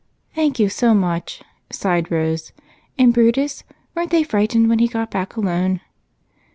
"Thank you so much," sighed Rose. "And Brutus? Weren't they frightened when he got back alone?"